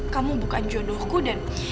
kamu bukan jodohku dan